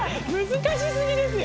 難し過ぎですよ。